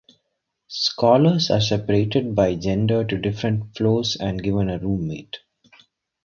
Scholars are separated by gender to different floors and given a room mate.